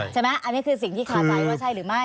ใช่ไหมอันนี้คือสิ่งที่คาใจว่าใช่หรือไม่